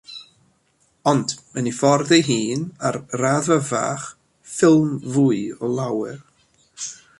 Ond yn ei ffordd ei hun ar raddfa fach, ffilm fwy o lawer.